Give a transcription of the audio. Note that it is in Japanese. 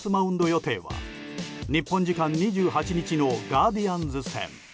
予定は日本時間２８日のガーディアンズ戦。